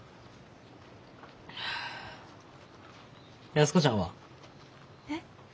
安子ちゃんは？えっ？